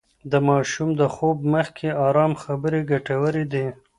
د ماشوم د خوب مخکې ارام خبرې ګټورې دي.